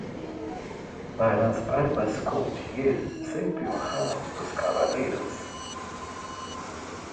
Para as barbas com dinheiro sempre honrar os cavaleiros.